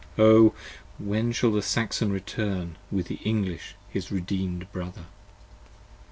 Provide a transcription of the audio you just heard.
when shall the Saxon return with the English his redeemed brother?